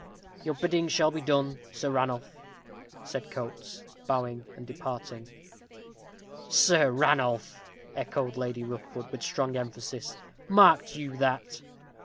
"Your bidding shall be done, Sir Ranulph," said Coates, bowing and departing. "Sir Ranulph!" echoed Lady Rookwood, with strong emphasis; "marked you that?"